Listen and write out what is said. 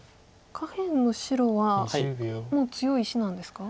下辺の白はもう強い石なんですか？